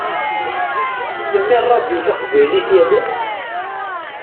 Tsellem i ṛṛadio taqbaylit yal ass?